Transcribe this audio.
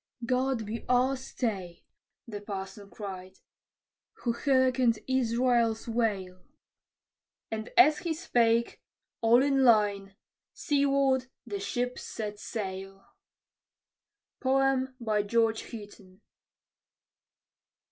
"God be our stay," the parson cried, "who hearkened Israel's wail!" And as he spake, all in a line, seaward the ships set sail. GEORGE HOUGHTON.